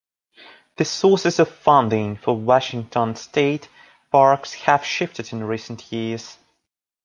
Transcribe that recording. The sources of funding for Washington State Parks have shifted in recent years.